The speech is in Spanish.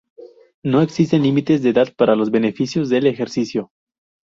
No existen límites de edad para los beneficios del ejercicio.